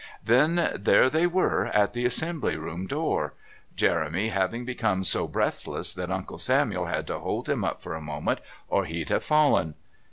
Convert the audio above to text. Then there they were at the Assembly Rooms door, Jeremy having become so breathless that Uncle Samuel had to hold him up for a moment or he'd have fallen.